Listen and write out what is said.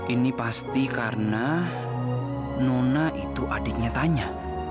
ini pasti karena nona itu adiknya tanya